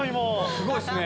すごいっすね。